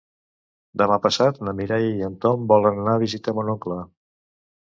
Demà passat na Mireia i en Tom volen anar a visitar mon oncle.